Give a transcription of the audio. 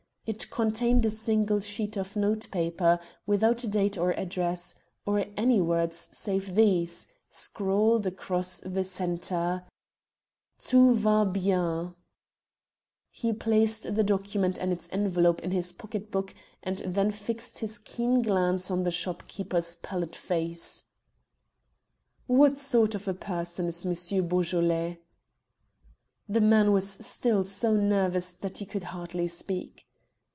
It contained a single sheet of notepaper, without a date or address, or any words save these, scrawled across the centre "Tout va bien." He placed the document and its envelope in his pocket book, and then fixed his keen glance on the shopkeeper's pallid face. "What sort of a person is Monsieur Beaujolais?" The man was still so nervous that he could hardly speak.